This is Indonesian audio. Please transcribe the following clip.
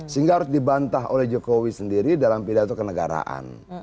sehingga harus dibantah oleh jokowi sendiri dalam pidato kenegaraan